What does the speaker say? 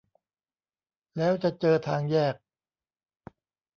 แล้วจะเจอทางแยก